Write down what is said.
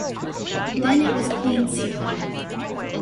Then it was plain sailing.